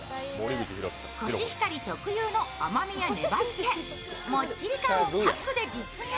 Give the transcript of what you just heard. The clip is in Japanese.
コシヒカリ特有の甘みや粘り気もっちり感をパックで実現。